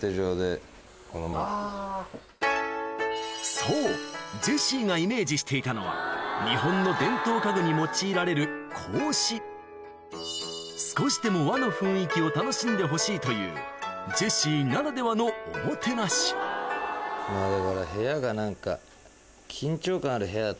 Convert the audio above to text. そうジェシーがイメージしていたのは日本の伝統家具に用いられる格子少しでもというジェシーならではのおもてなしだから部屋が何か。